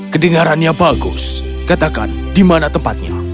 kedengarannya bagus katakan di mana tempatnya